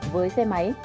với xe máy